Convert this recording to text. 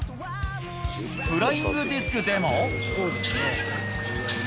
フライングディスクでも。